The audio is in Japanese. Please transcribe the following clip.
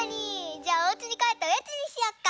じゃあおうちにかえっておやつにしよっか。